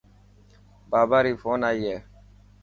بابا ري فون آئي هي.